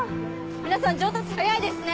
皆さん上達早いですね。